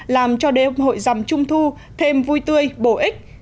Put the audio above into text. làm cho đêm hội rằm trung thu thêm vui tươi bổ ích